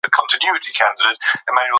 کتاب د ژوند ښوونکې وسیله ده.